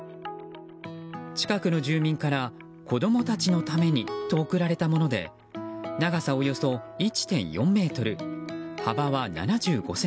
近くの住民から子供たちのためにと贈られたもので長さおよそ１．４ｍ幅は７５ｃｍ。